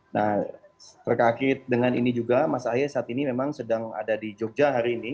nah terkakit dengan ini juga mas ahy saat ini memang sedang ada di jogja hari ini